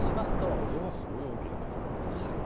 これはすごい大きな固まりですけどね。